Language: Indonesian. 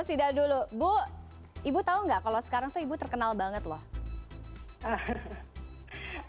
sida dulu bu ibu tahu nggak kalau sekarang tuh ibu terkenal banget loh